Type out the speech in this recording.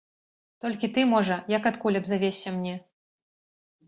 Толькі ты, можа, як адкуль абзавешся мне?